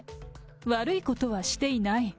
悪いことはしていない。